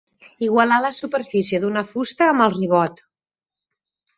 Igualar la superfície d'una fusta amb el ribot.